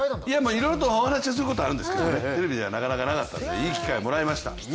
いろいろとお話しすることはあるんですけどテレビではなかったのでいい機会をもらえました。